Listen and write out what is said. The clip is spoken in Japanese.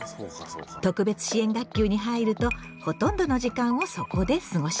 特別支援学級に入るとほとんどの時間をそこで過ごします。